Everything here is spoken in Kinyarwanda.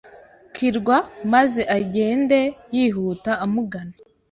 kirwa maze agenda yihuta amugana.